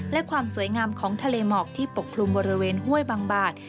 และความสวยงามของทะเลหมอกที่ปกคลุมบริเวณห้วยบางบาด